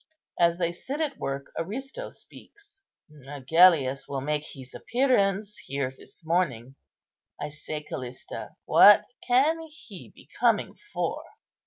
As they sit at work, Aristo speaks:— "Agellius will make his appearance here this morning. I say, Callista, what can he be coming for?"